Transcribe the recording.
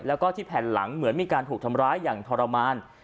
แล้วก็ที่แผ่นหลังเหมือนมีการถูกทำร้ายอย่างทรมาน